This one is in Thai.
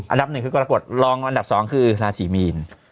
อันดับหนึ่งคือกรกฎรองอันดับ๒คือราศีมีน